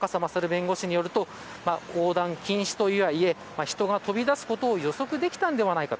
弁護士によると横断禁止とはいえ、人が飛び出すことを予測できたのではないか。